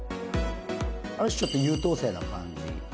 ある種、ちょっと優等生な感じ。